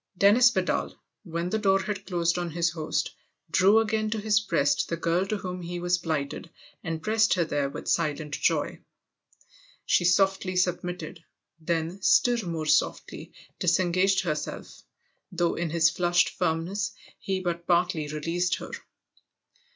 VI DENNIS VIDAL, when the door had closed on his host, drew again to his breast the girl to whom he was plighted and pressed her there with silent joy. She softly submitted, then still more softly dis engaged herself, though in his flushed firmness he but partly released her.